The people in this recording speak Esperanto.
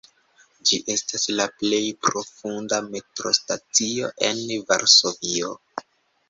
Ĝi estas la plej profunda metrostacio en Varsovio.